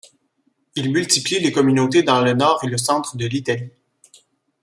Ils multiplient les communautés dans le nord et le centre de l’Italie.